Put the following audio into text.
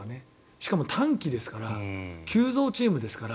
しかも短期ですから急造チームですから。